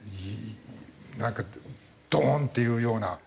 なんかドーン！っていうような。